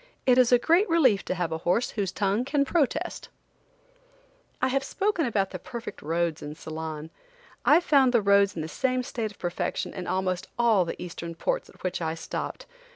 It is a great relief to have a horse whose tongue can protest. I have spoken about the perfect roads in Ceylon. I found the roads in the same state of perfection in almost all the Eastern ports at which I stopped.